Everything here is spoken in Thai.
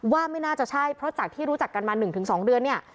ว่าไม่น่าจะใช่เพราะจากที่รู้จักกันมา๑๒เดือนเนี่ย